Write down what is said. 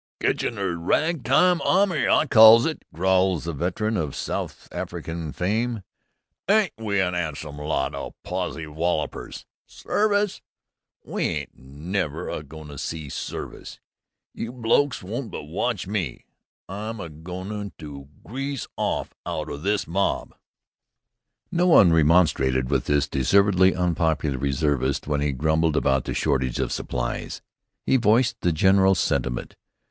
"Kitchener's Rag Time Army I calls it!" growls the veteran of South African fame. "Ain't we a 'andsome lot o' pozzie wallopers? Service? We ain't never a go'n' to see service! You blokes won't, but watch me! I'm a go'n' to grease off out o' this mob!" No one remonstrated with this deservedly unpopular reservist when he grumbled about the shortage of supplies. He voiced the general sentiment.